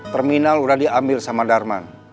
terminal sudah diambil sama darman